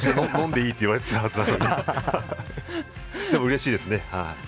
でも、うれしいですね。